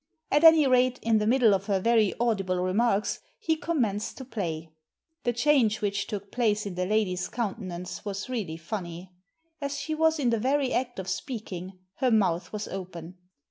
At any rate, in the middle of her very audible remarks he commenced to play. The change which took place in the lady's countenance was really funny* As she was in the very act of speaking her mouth was open.